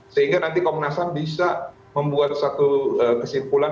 sehingga nanti komunasab bisa membuat satu kesimpulan